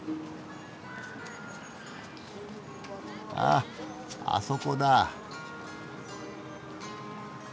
ああそこだ。